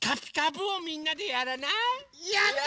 やった！